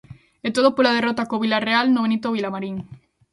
E todo pola derrota co Vilarreal no Benito Vilamarín.